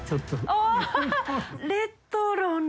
あっレトロな。